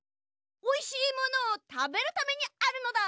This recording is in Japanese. おいしいものをたべるためにあるのだ！